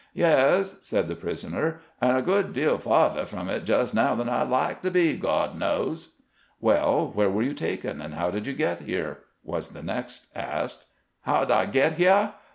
" Tes," said the prisoner, " and a good deal fa'thah from it jes' now than I 'd like to be, God knows." " "Well, where were you taken, and how did you get here ?" was next asked. " How did I get h'yah !